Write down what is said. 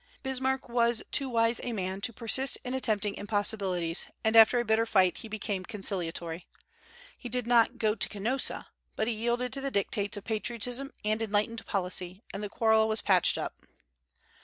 Bismarck was too wise a man to persist in attempting impossibilities, and after a bitter fight he became conciliatory. He did not "go to Canossa," but he yielded to the dictates of patriotism and enlightened policy, and the quarrel was patched up.